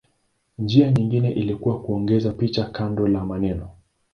Njia nyingine ilikuwa kuongeza picha kando la maneno.